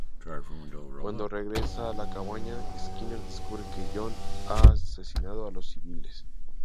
Cuando regresa a la cabaña, Skinner descubre que John ha asesinado a los civiles.